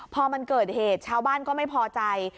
พอมันเกิดเหตุชาวบ้านก็ไม่พอใจ